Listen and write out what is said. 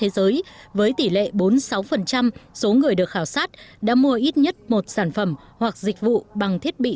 dưới với tỷ lệ bốn sáu số người được khảo sát đã mua ít nhất một sản phẩm hoặc dịch vụ bằng thiết bị